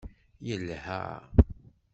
Yelha.